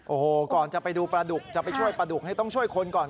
โอ้โหก่อนจะไปดูปลาดุกจะไปช่วยปลาดุกให้ต้องช่วยคนก่อน